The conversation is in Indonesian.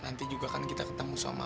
nanti juga kan kita ketemu sama mama